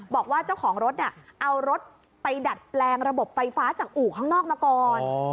บอกว่าเจ้าของรถเอารถไปดัดแปลงระบบไฟฟ้าจากอู่ข้างนอกมาก่อน